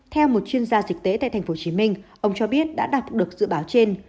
theo một chuyên gia dịch tễ tại tp hcm ông cho biết đã đạt được dự báo trên